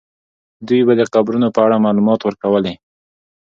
دوی به د قبرونو په اړه معلومات ورکولې.